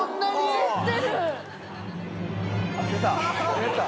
出た。